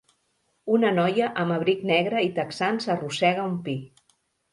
Una noia amb abric negre i texans arrossega un pi.